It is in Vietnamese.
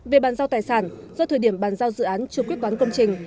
về bàn giao tài sản do thời điểm bàn giao dự án chưa quyết toán công trình